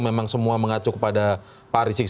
memang semua mengacu kepada pak rizik